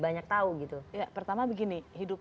banyak tahu gitu ya pertama begini hidup